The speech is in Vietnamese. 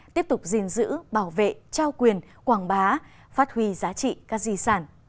tiếp tục dinh dữ bảo vệ trao quyền quảng bá phát huy giá trị các di sản